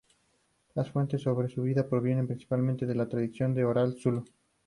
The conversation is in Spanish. Las fuentes sobre su vida provienen principalmente de la tradición oral zulú.